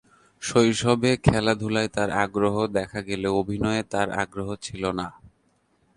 শৈশবে খেলাধুলায় তার আগ্রহ দেখা গেলেও অভিনয়ে তার আগ্রহ ছিল না।